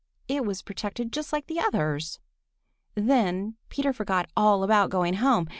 It was protected just like the others. Then Peter forgot all about going home.